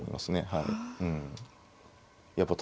はい。